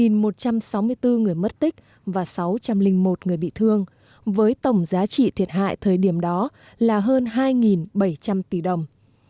một trăm sáu mươi bốn người mất tích và sáu trăm linh một người bị thương với tổng giá trị thiệt hại thời điểm đó là hơn hai bảy trăm linh tỷ đồng